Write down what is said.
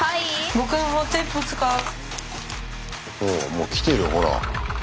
もう来てるよほら。